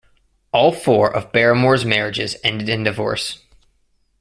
All four of Barrymore's marriages ended in divorce.